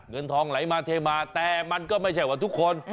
เงินทองไหลมาเทมาแต่มันก็ไม่ใช่ว่าทุกคน